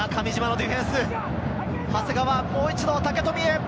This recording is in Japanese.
長谷川、もう一度、武富へ。